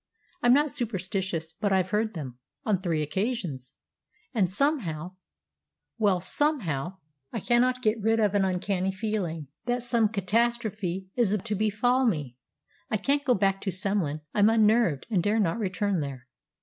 I'm not superstitious, but I've heard them on three occasions! And somehow well, somehow I cannot get rid of an uncanny feeling that some catastrophe is to befall me! I can't go back to Semlin. I'm unnerved, and dare not return there."